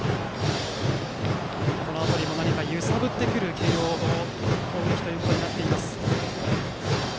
この辺りも何か、揺さぶってくる慶応の攻撃になっています。